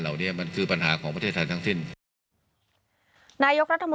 ทรงมีลายพระราชกระแสรับสู่ภาคใต้